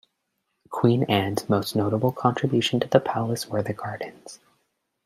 Queen Anne's most notable contribution to the palace were the gardens.